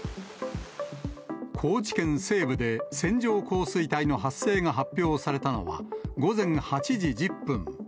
高知県西部で線状降水帯の発生が発表されたのは、午前８時１０分。